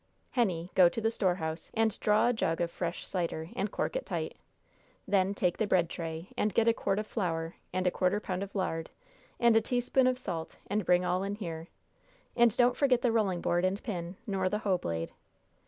"Henny, go to the storehouse, and draw a jug of fresh cider, and cork it tight. Then take the bread tray, and get a quart of flour, and a quarter of a pound of lard, and a teaspoonful of salt, and bring all in here. And don't forget the rolling board and pin, nor the hoe blade."